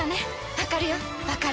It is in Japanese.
わかるよわかる。